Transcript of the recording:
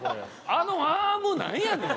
あのアームなんやねん？